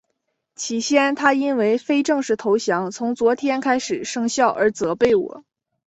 起先他因为非正式投降从昨天开始生效而责备我。